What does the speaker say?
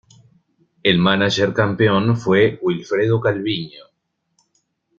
El mánager campeón fue Wilfredo Calviño.